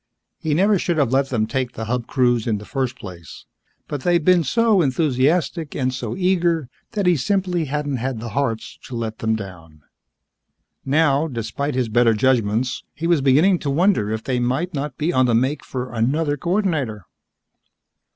He never should have let them take the Hub cruise in the first place. But they'd been so enthusiastic and so eager that he simply hadn't had the hearts to let them down. Now, despite his better judgments, he was beginning to wonder if they might not be on the make for another coordinator.